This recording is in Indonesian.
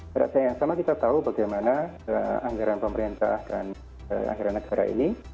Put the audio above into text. pada saat yang sama kita tahu bagaimana anggaran pemerintah dan anggaran negara ini